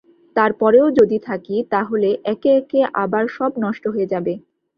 তার পরেও যদি থাকি তা হলে একে-একে আবার সব নষ্ট হয়ে যাবে।